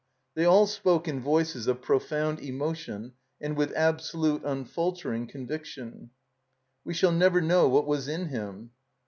They all spoke in voices of profoimd emotion and with absolute, imfaltering conviction. "We shall never know what was in him."